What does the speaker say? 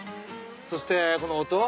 そしてこの音。